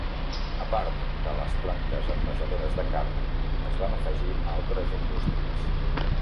A part de les plantes envasadores de carn, es van afegir altres indústries.